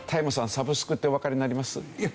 サブスクっておわかりになります？